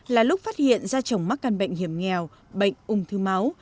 là lúc phát hiện da chồng mắc căn bệnh hiểm nghèo bệnh ung thư máu